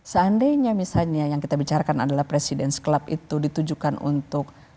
seandainya misalnya yang kita bicarakan adalah presiden club itu ditujukan untuk